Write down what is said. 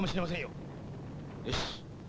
よし。